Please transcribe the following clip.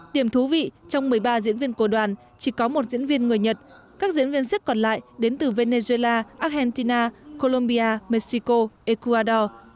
điểm thú vị trong một mươi ba diễn viên của đoàn chỉ có một diễn viên người nhật các diễn viên sip còn lại đến từ venezuela argentina colombia mexico ecuador